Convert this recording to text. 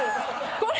これ！